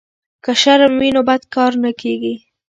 که شرم وي نو بد کار نه کیږي.